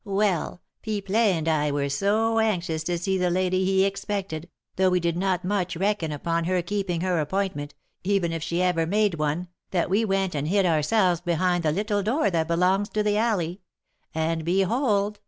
Well, Pipelet and I were so anxious to see the lady he expected, though we did not much reckon upon her keeping her appointment, even if she ever made one, that we went and hid ourselves behind the little door that belongs to the alley; and, behold!